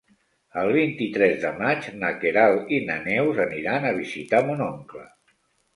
El vint-i-tres de maig na Queralt i na Neus aniran a visitar mon oncle.